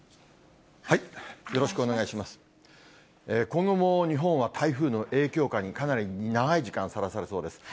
今後も日本は台風の影響下に、かなり長い時間、さらされそうです。